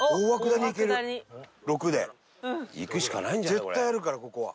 絶対あるからここは。